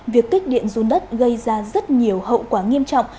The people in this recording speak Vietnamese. việc kích điện run đất gây ra rất nhiều hậu quả nghiêm trọng